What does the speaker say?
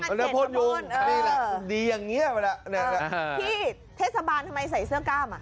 นี่แหละดีอย่างเงี้ยเวลาพี่เทศบาลทำไมใส่เสื้อก้ามอ่ะ